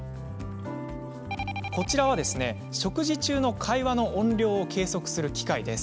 こちらは、食事中の会話の音量を計測する機械です。